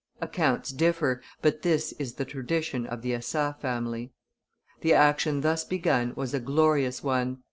[Accounts differ; but this is the tradition of the Assas family.] The action thus begun was a glorious one.